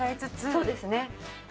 そうですね。